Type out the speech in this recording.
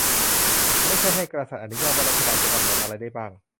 ไม่ใช่ให้กษัตริย์อนุญาตว่ารัฐบาลจะกำหนดอะไรได้บ้าง